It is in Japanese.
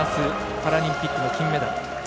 パラリンピックの金メダル。